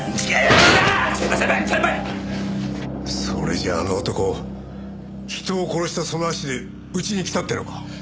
それじゃああの男人を殺したその足でうちに来たっていうのか！？